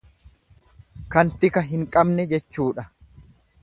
Kan tika hin qabne jechuudha.